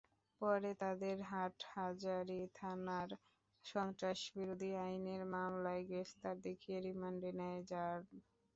পরে তাঁদের হাটহাজারী থানার সন্ত্রাসবিরোধী আইনের মামলায় গ্রেপ্তার দেখিয়ে রিমান্ডে নেয় র্যাব।